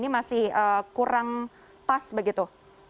ini masih kurang pas begitu